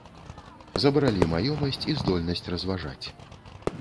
Забралі маёмасць і здольнасць разважаць.